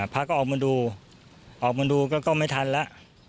พระก็ออกมาดูออกมาดูก็ไม่ทันแล้ว